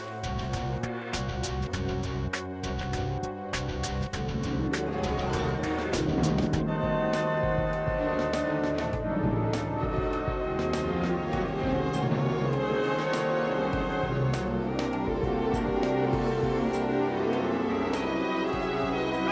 udah kita ambil